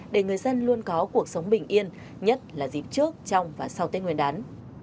để người dân luôn có cuộc sống bình yên nhất là dịp trước trong và sau tết nguyên đán